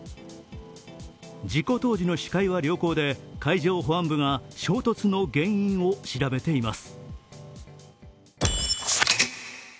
事故当時の視界は良好で、海上保安部が衝突の原因を調べています。